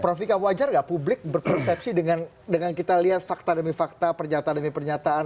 prof vika wajar gak publik berpersepsi dengan kita lihat fakta demi fakta pernyataan demi pernyataan